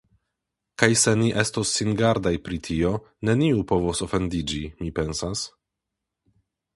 Kaj se ni estos singardaj pri tio, neniu povos ofendiĝi, mi pensas?